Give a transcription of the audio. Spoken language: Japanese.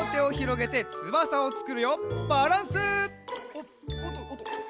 おっとおっとおっと。